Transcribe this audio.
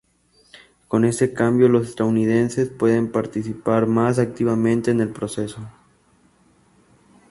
Con este cambio, los estadounidenses pueden participar más activamente en el proceso.